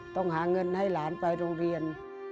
ต้องหาเงินให้หลานไปโรงเรียน